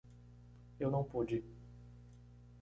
Eu não pude.